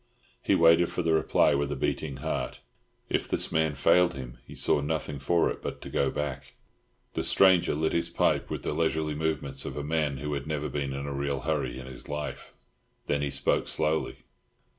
He waited for the reply with a beating heart. If this man failed him he saw nothing for it but to go back. The stranger lit his pipe with the leisurely movements of a man who had never been in a real hurry in his life. Then he spoke slowly.